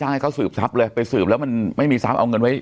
ให้เขาสืบซับเลยไปสืบแล้วมันไม่มีซับเอาเงินไว้